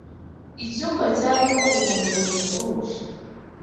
Icyumba cyarimo urumuri ruhebuje